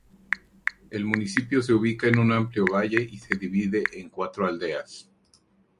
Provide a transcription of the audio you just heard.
El municipio se ubica en un amplio valle, y se divide en cuatro aldeas.